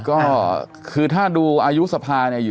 ก็คือถ้าดูอายุสภาเนี่ย